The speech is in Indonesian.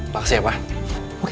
makasih ya pak